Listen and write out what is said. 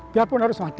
biarpun harus mati